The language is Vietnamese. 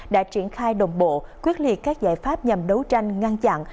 đã triển khai đồng bộ quyết liệt các giải pháp nhằm đấu tranh ngăn chặn